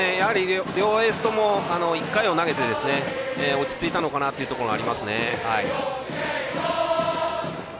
両エースとも１回を投げて落ち着いたのかなというところがありますね。